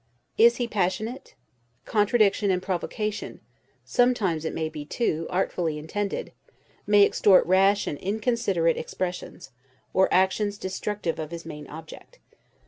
Is he passionate? Contradiction and provocation (sometimes, it may be, too, artfully intended) may extort rash and inconsiderate expressions, or actions destructive of his main object.